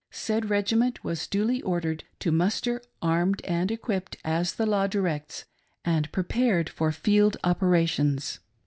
.. Said regiment was duly ordered to muster, armed and equipped as the law directs, and prepared for field operations."